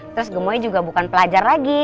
terus gemunya juga bukan pelajar lagi